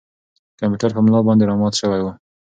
کمپیوټر په ملا باندې را مات شوی و.